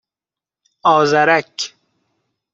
آذرک